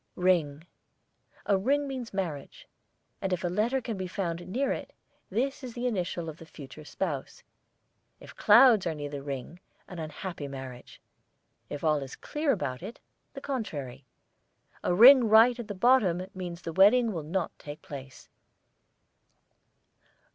RING, a ring means marriage; and if a letter can be found near it, this is the initial of the future spouse. If clouds are near the ring, an unhappy marriage; if all is clear about it, the contrary. A ring right at the bottom means the wedding will not take place.